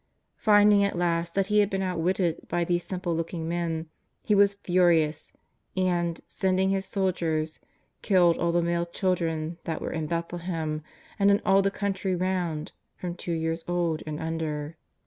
Finding at last that he had been out witted by these simple looking men, he was furious, and, sending his soldiers, killed all the male children thai; were in Bethlehem and in all the country round from two years old and under.